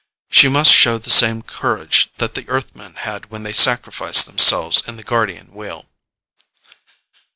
She must show the same courage that the Earthmen had when they sacrificed themselves in the Guardian Wheel.